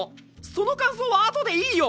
その感想は後でいいよ！